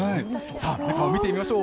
さあ、見てみましょう。